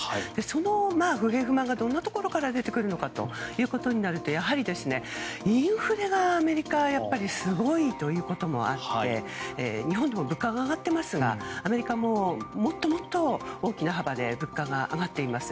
その不平不満がどんなところから出てくるかということになるとやはり、インフレがアメリカはすごいということもあって日本でも物価が上がっていますがアメリカももっともっと大きな幅で物価が上がっています。